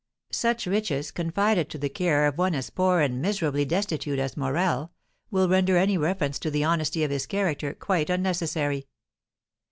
Such riches, confided to the care of one as poor and miserably destitute as Morel, will render any reference to the honesty of his character quite unnecessary.